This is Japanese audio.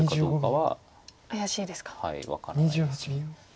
はい分からないです。